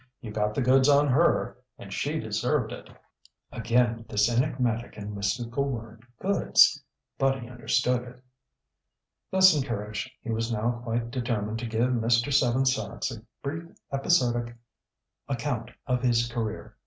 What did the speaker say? "You got the goods on her. And she deserved it." (Again this enigmatic and mystical word "goods"! But he understood it.) Thus encouraged, he was now quite determined to give Mr. Seven Sachs a brief episodic account of his career.